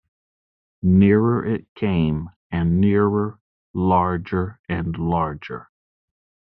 Nearer it came and nearer, larger and larger.